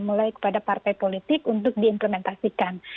mulai kepada partai politik untuk diimplementasikan